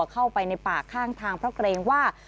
เข้าไปในป่าข้างทางเพราะเกรงว่า